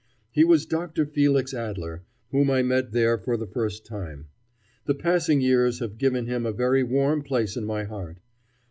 He was Dr. Felix Adler, whom I met there for the first time. The passing years have given him a very warm place in my heart.